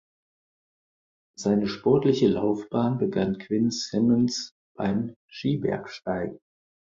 Seine sportliche Laufbahn begann Quinn Simmons beim Skibergsteigen.